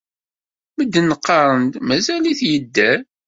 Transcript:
Medden qqaren-d mazal-it yedder.